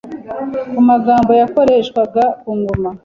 ku magambo yakoreshwaga ku Ngoma